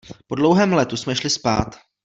Po dlouhém letu jsme šli spát.